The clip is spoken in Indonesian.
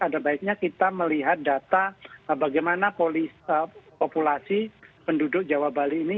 ada baiknya kita melihat data bagaimana populasi penduduk jawa bali ini